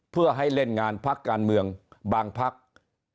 เพื่อให้เล่นงานพักการเมืองบางพัก